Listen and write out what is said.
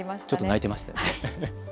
ちょっと泣いてましたね。